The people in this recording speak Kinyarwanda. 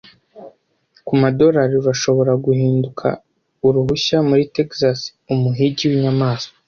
Ku madolari urashobora guhinduka uruhushya muri Texas Umuhigi winyamanswa